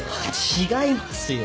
違いますよ。